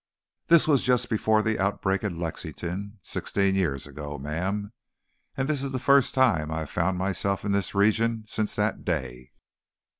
"This was just before the outbreak in Lexington, sixteen years ago, ma'am, and this is the first time I have found myself in this region since that day.